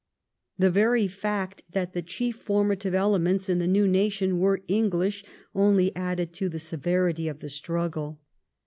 The very fact that the chief formative elements in the new nation were English only added to the severity of the struggle.